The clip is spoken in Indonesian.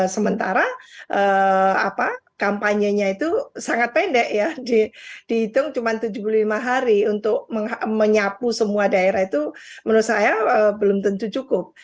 sementara kampanyenya itu sangat pendek ya dihitung cuma tujuh puluh lima hari untuk menyapu semua daerah itu menurut saya belum tentu cukup